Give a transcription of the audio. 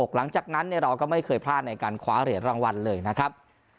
หลังจากนั้นเราก็ไม่เคยพลาดในการคว้าเหรียญรางวัลเลยนะครับ